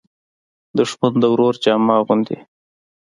دښمن د ورور جامه اغوندي